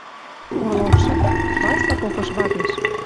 Орловшы: «Вася попыш вадеш...